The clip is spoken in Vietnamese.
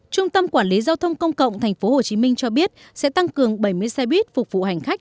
trung tâm quản lý giao thông công cộng tp hcm cho biết sẽ tăng cường bảy mươi xe buýt phục vụ hành khách